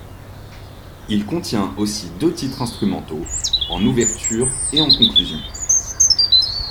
Il contient aussi deux titres instrumentaux, en ouverture et en conclusion.